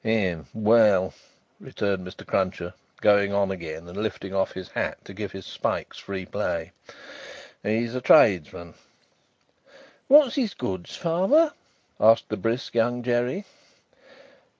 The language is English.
"Hem! Well," returned Mr. Cruncher, going on again, and lifting off his hat to give his spikes free play, "he's a tradesman." "What's his goods, father?" asked the brisk Young Jerry.